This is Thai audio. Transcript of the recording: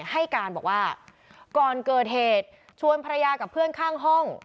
ให้การบอกว่าก่อนเกิดเหตุชวนภรรยากับเพื่อนข้างห้อง